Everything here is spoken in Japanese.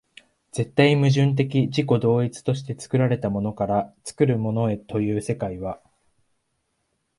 絶対矛盾的自己同一として作られたものから作るものへという世界は、